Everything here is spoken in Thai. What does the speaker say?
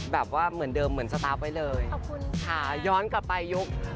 แบบว่าเหมือนเดิมเหมือนสตาร์ฟไว้เลยขอบคุณค่ะย้อนกลับไปยุค